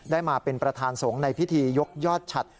ได้มาเป็นประธานสงฆ์ในพิธียกยอดฉัด